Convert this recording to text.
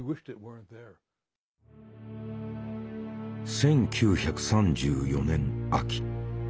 １９３４年秋。